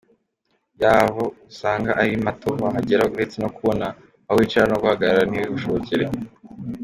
yabo usanga ari mato wahagera uretse no kubona aho wicara no guhagarara ntibigushobokere.